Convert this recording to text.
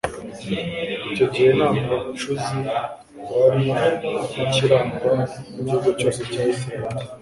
icyo gihe nta mucuzi wari ukirangwa mu gihugu cyose cya israheli